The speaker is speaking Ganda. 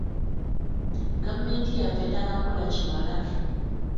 Gavumenti yaffe tannakola kimala.